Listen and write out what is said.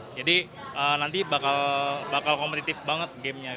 nanti bakal kompetitif banget gamenya